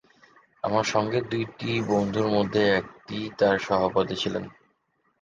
আমার সঙ্গের দুটি বন্ধুর মধ্যে একটি তাঁর সহপাঠী ছিলেন।